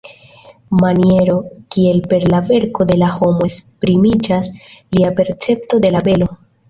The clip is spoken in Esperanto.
Maniero kiel per la verko de la homo esprimiĝas lia percepto de la belo.